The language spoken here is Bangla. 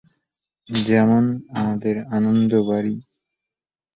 যেমন "আমাদের আনন্দ বাড়ি"।